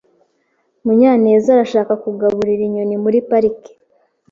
Munyanez arashaka kugaburira inyoni muri parike.